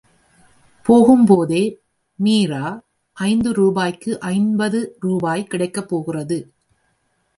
போகும் போதே, மீரா, ஐந்து ரூபாய்க்கு ஐம்பது ரூபாய் கிடைக்கப் போகிறது!